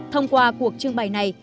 thông qua cuộc trưng bày này